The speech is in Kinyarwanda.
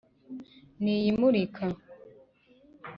n’iyi murika,